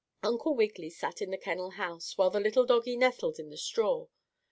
Uncle Wiggily sat in the kennel house, while the little doggie nestled in the straw.